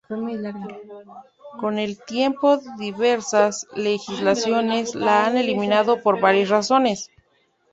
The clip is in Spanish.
Con el tiempo diversas legislaciones la han eliminado, por varias razones.